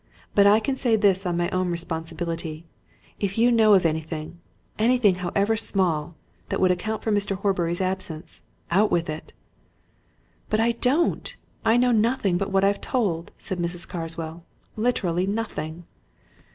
But I can say this on my own responsibility if you know of anything anything, however small! that would account for Mr. Horbury's absence, out with it!" "But I don't I know nothing but what I've told," said Mrs. Carswell. "Literally nothing!"